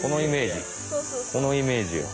このイメージよ。